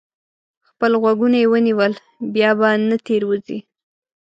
خپل غوږونه یې ونیول؛ بیا به نه تېروځي.